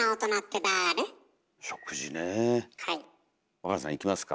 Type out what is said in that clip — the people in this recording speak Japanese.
若菜さんいきますか。